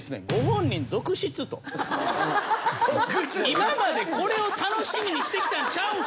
今までこれを楽しみにしてきたんちゃうんかと。